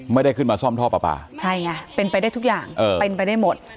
ไม่ได้ขึ้นมาซ่อมท่อปลาปลาใช่ไงเป็นไปได้ทุกอย่างเป็นไปได้หมด